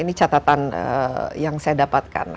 ini catatan yang saya dapatkan